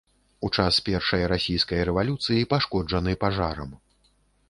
У час першай расійскай рэвалюцыі пашкоджаны пажарам.